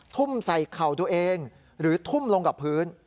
ทุ่มใส่เข่าตัวเองหรือทุ่มลงกับพื้น